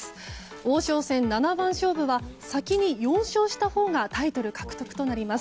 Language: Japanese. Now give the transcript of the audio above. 王将戦七番勝負は先に４勝したほうがタイトル獲得となります。